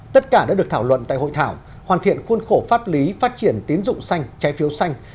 tất cả đã được thảo luận tại hội thảo hoàn thiện khuôn khổ pháp lý phát triển tiến dụng xanh trái phiếu xanh